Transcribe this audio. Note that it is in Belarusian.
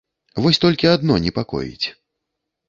Вось толькі адно непакоіць.